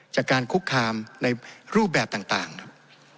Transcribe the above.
จากการคุกคามในรูปแบบต่างครับ